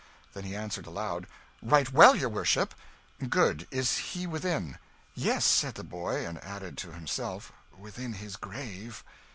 Then he answered aloud, "Right well, your worship." "Good is he within?" "Yes," said the boy; and added, to himself, "within his grave."